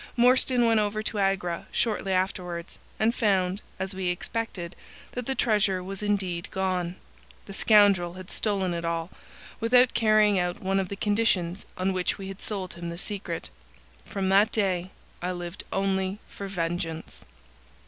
Morstan went over to Agra shortly afterwards, and found, as we expected, that the treasure was indeed gone. The scoundrel had stolen it all, without carrying out one of the conditions on which we had sold him the secret. From that day I lived only for vengeance.